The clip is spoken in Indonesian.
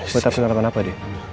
buat api ngerapan apa dia